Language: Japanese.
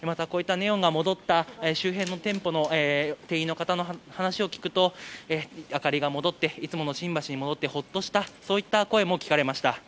こうしたネオンが戻った周辺の店舗の店員の方の話を聞くと明かりが戻って、いつもの新橋に戻ってほっとしたそういった声も聞かれました。